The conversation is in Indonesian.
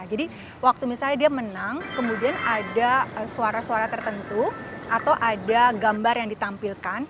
jadi waktu misalnya dia menang kemudian ada suara suara tertentu atau ada gambar yang ditampilkan